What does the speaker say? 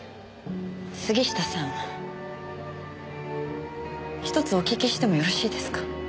杉下さんひとつお聞きしてもよろしいですか？